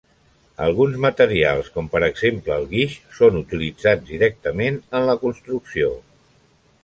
Alguns materials, com per exemple el guix, són utilitzats directament en la construcció.